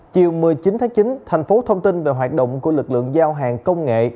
chiều một mươi chín tháng chín thành phố thông tin về hoạt động của lực lượng giao hàng công nghệ